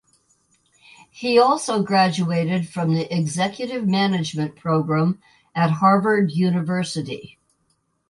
He also graduated from the Executive Management Program at Harvard University.